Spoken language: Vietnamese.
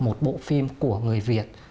một bộ phim của người việt